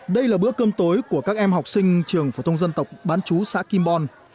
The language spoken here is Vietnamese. đây là bữa cơm tối của các em học sinh trường phổ thông dân tộc bán chú xã kim bon